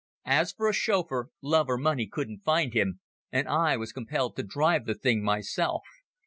As for a chauffeur, love or money couldn't find him, and I was compelled to drive the thing myself.